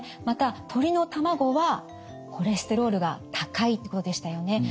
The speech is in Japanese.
また鶏の卵はコレステロールが高いということでしたよね。